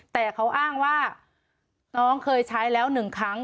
แต่เขาอ้างว่าน้องเคยใช้แล้วหนึ่งครั้ง